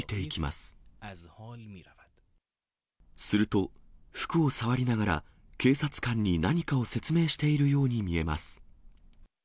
すると、服を触りながら警察官に何かを説明しているように見えます。